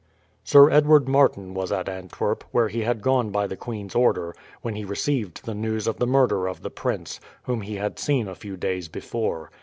Sir Edward Martin was at Antwerp, where he had gone by the queen's order, when he received the news of the murder of the prince, whom he had seen a few days before.